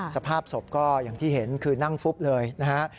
สภาพศพก็อย่างที่เห็นคือนั่งฟุบเลยนะฮะ